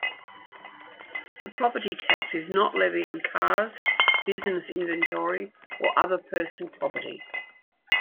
The property tax is not levied on cars, business inventory, or other personal property.